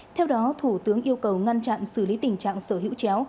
theo đó thủ tướng yêu cầu ngăn chặn xử lý tình trạng sở hữu chéo